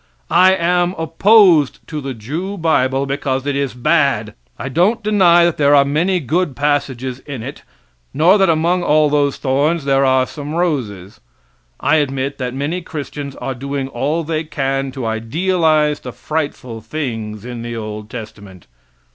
I am opposed to the Jew bible because it is bad. I don't deny that there are many good passages in it, nor that among all the thorns there are some roses. I admit that many Christians are doing all they can to idealize the frightful things in the old testament.